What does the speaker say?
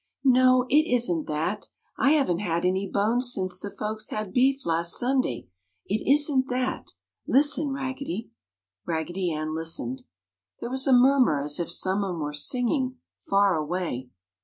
"No, it isn't that. I haven't had any bones since the folks had beef last Sunday. It isn't that. Listen, Raggedy!" Raggedy Ann listened. There was a murmur as if someone were singing, far away.